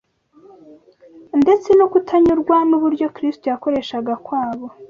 ndetse no kutanyurwa n’uburyo Kristo yakoreshaga kwabo